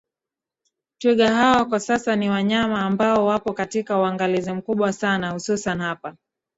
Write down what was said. Twiga hawa kwa sasa ni wanyama ambao wapo katika uangalizi mkubwa sana hususani hapa